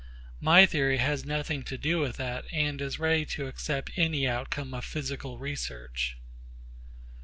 My theory has nothing to do with that and is ready to accept any outcome of physical research.